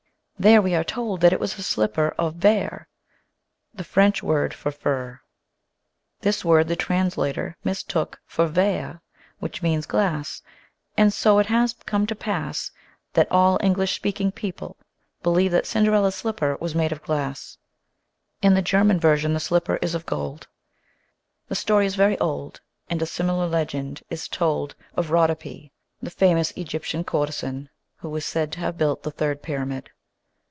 There we are told that it was a slipper of vair, the French for fur. This word the translator mistook for verre, which means glass, and so it has come to pass that all English speaking people believe that Cinderella's slipper was made of glass. In the German version the slipper is of gold. The story is very old and a similar legend is told of Rhodope, the famous Egyptian courtesan who was said to have built the third pyramid.